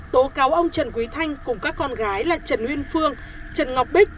tố cáo ông trần quý thanh cùng các con gái là trần uyên phương trần ngọc bích